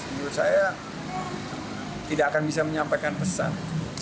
menurut saya tidak akan bisa menyampaikan pesan